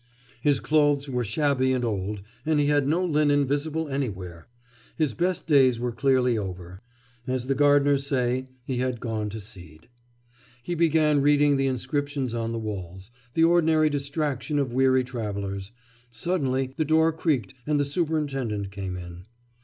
His clothes were shabby and old, and he had no linen visible anywhere. His best days were clearly over: as the gardeners say, he had gone to seed. He began reading the inscriptions on the walls the ordinary distraction of weary travellers; suddenly the door creaked and the superintendent came in.